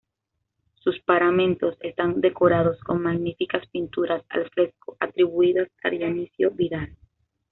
Sus paramentos están decorados con magníficas pinturas al fresco, atribuidas a Dionisio Vidal.